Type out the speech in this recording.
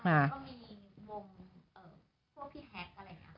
อ่าก็มีมุมพวกพี่แฮกอะไรนะ